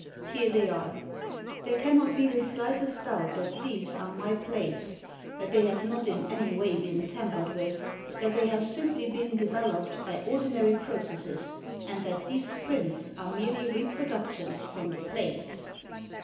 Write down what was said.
Here they are. There cannot be the slightest doubt that these are my plates, that they have not in any way been tampered with, that they have simply been developed by ordinary processes, and that these prints are merely reproductions from the plates.